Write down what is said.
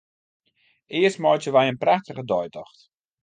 Earst meitsje wy in prachtige deitocht.